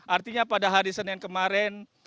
artinya pada hari senin kemarin